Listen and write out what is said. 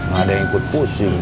gak ada yang ikut pusing